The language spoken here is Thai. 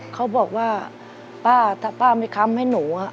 เขาบอกว่าป้าถ้าป้าไม่ค้ำให้หนู